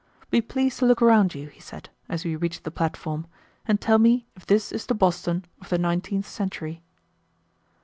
"Be pleased to look around you," he said, as we reached the platform, "and tell me if this is the Boston of the nineteenth century."